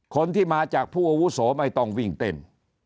คนที่มาจากผู้อาวุโสไม่ต้องวิ่งเต้น